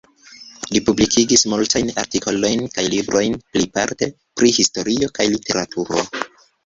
Li publikigis multajn artikolojn kaj librojn, plejparte pri historio kaj literaturo.